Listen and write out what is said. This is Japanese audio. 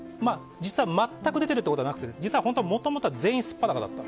全く出ているということはなくて実はもともと全員、素っ裸で。